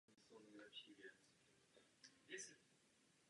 Poslanci Parlamentu znají baronku Ashtonovou lépe než Hermana Van Rompuye.